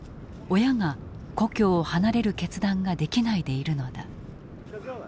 親が故郷を離れる決断ができないでいるのだ。